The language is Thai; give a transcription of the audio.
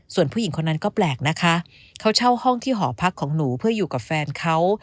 ส่วนผู้หญิงคนนั้นก็แปลกนะคะเขาเช่าห้องที่หอพักของหนูเพื่ออยู่กับแฟนเขา